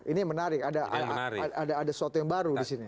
ini menarik ada ada ada ada suatu yang baru di sini